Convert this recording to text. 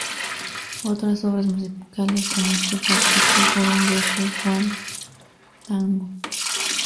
Otras obras musicales en las que participó fueron "¡Yo Soy Juan Tango!